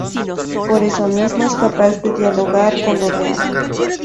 Por eso mismo es capaz de dialogar con lo real.